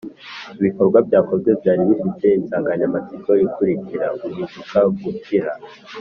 Ibikorwa byakozwe byari bifite insanganyamatsiko ikurikira Guhinduka gukira